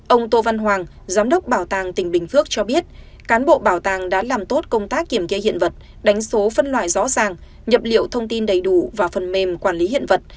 ông tô văn hoàng giám đốc bảo tàng tỉnh bình phước cho biết cán bộ bảo tàng đã làm tốt công tác kiểm kê hiện vật đánh số phân loại rõ ràng nhập liệu thông tin đầy đủ vào phần mềm quản lý hiện vật